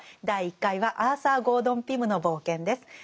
第１回は「アーサー・ゴードン・ピムの冒険」です。